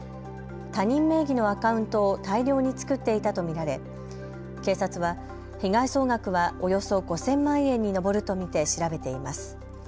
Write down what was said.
他人名義のアカウントを大量に作っていたと見られ、警察は被害総額はおよそ５０００万円に上ると見て調べています。